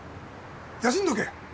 休んどけ！